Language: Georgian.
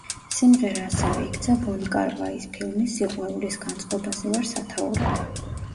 სიმღერა ასევე იქცა ვონ კარ ვაის ფილმის „სიყვარულის განწყობაზე ვარ“ სათაურად.